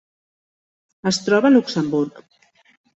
Es troba a Luxemburg.